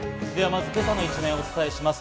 まずは今朝の一面をお伝えします。